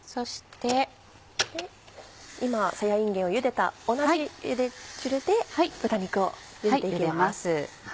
今さやいんげんをゆでた同じゆで汁で豚肉をゆでていきます。